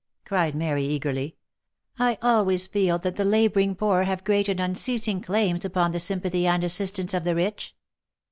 cried Mary, eagerly, " I always feel that the labouring poor have great and unceasing claims upon the sympathy and assistance of the rich.